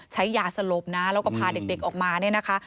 ใช้ยาสลบนะแล้วก็พาเด็กออกมาเนี่ยนะคะ